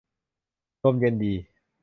ลมเย็นดี